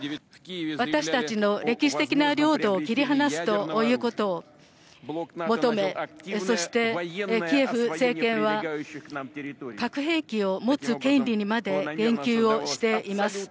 私たちの歴史的な領土を切り離すということを求め、そしてキエフ政権は核兵器を持つ権利にまで言及をしています。